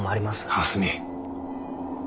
蓮見。